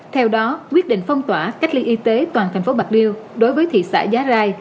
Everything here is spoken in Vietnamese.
theo đó quyết định phong tỏa cách ly y tế toàn thành phố bạc liêu đối với thị xã giá rai